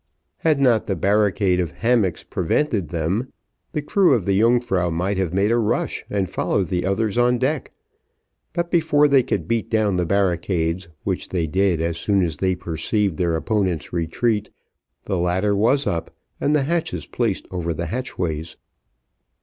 Had not the barricade of hammocks prevented them, the crew of the Yungfrau might have made a rush, and followed the others on deck; but, before they could beat down the barricades, which they did as soon as they perceived their opponents' retreat, the ladder was up, and the hatches placed over the hatchways.